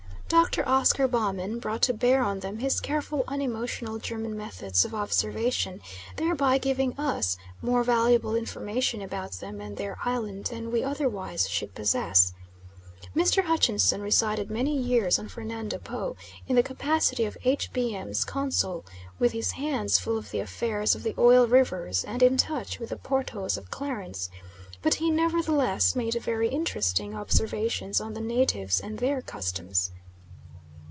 Dr. Oscar Baumann brought to bear on them his careful unemotional German methods of observation, thereby giving us more valuable information about them and their island than we otherwise should possess. Mr. Hutchinson resided many years on Fernando Po, in the capacity of H. B. M.'s Consul, with his hands full of the affairs of the Oil Rivers and in touch with the Portos of Clarence, but he nevertheless made very interesting observations on the natives and their customs.